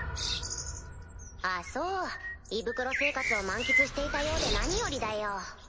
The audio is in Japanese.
あぁそう胃袋生活を満喫していたようで何よりだよ。